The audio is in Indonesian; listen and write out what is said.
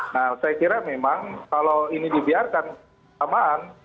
nah saya kira memang kalau ini dibiarkan samaan